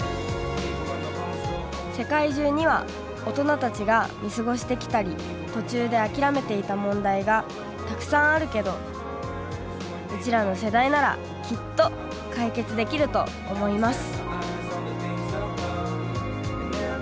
世界中には大人たちが見過ごしてきたり途中で諦めていた問題がたくさんあるけどうちらの世代ならきっと解決できると思います。